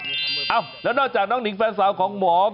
หมอกิตติวัตรว่ายังไงบ้างมาเป็นผู้ทานที่นี่แล้วอยากรู้สึกยังไงบ้าง